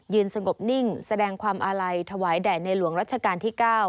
สงบนิ่งแสดงความอาลัยถวายแด่ในหลวงรัชกาลที่๙